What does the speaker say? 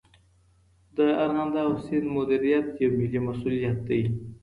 د ارغنداب سیند مدیریت یو ملي مسئولیت دی.